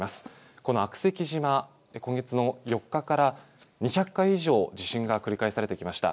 この悪石島、今月の４日から２００回以上、地震が繰り返されてきました。